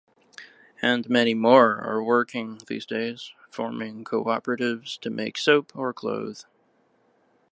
And many more are working these days, forming co-operatives to make soap or clothes.